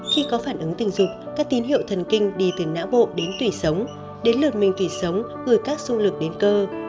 khi có phản ứng tình dục các tín hiệu thần kinh đi từ nã bộ đến tủy sống đến lượt mình tủy sống gửi các xung lực đến cơ